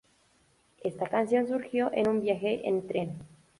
Esta canción surgió en un viaje en tren.